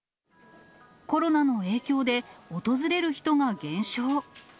コロナの影響で、訪れる人が減少。